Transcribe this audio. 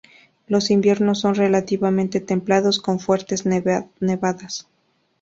Los inviernos son relativamente templados con fuertes nevadas.